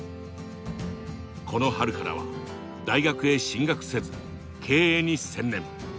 この春からは大学へ進学せず経営に専念。